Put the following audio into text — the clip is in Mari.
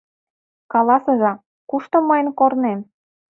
Каласыза, кушто мыйын корнем?..